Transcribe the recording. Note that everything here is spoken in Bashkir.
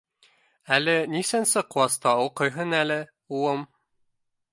— Әле нисәнсе класта уҡыйһың әле, улым?